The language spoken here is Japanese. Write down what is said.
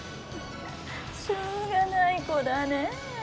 しょうがないコだねぇ。